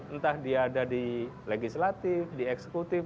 entah di legislatif di eksekutif